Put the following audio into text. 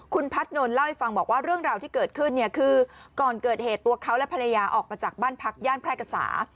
คุณพัฒนนท์เล่าให้ฟังบอกว่าเรื่องราวที่เกิดขึ้นเนี่ยคือก่อนเกิดเหตุตัวเขาและภรรยาออกมาจากบ้านพักย่านแพร่กษา